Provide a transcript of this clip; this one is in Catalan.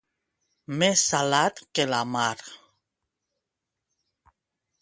Més salat que la mar.